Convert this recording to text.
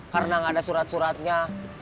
karena gak ada surat suratnya